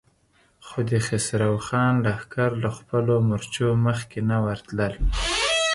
خو د خسرو خان لښکر له خپلو مورچو مخکې نه ورتلل.